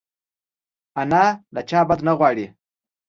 انا له چا بد نه غواړي